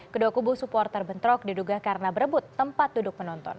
kedua kubu supporter bentrok diduga karena berebut tempat duduk penonton